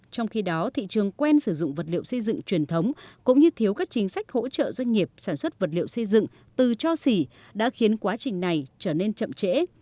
trong khi đó thị trường quen sử dụng vật liệu xây dựng truyền thống cũng như thiếu các chính sách hỗ trợ doanh nghiệp sản xuất vật liệu xây dựng từ cho xỉ đã khiến quá trình này trở nên chậm trễ